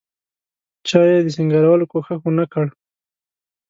چا یې د سینګارولو کوښښ ونکړ.